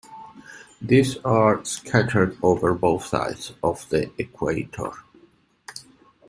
These are scattered over both sides of the equator.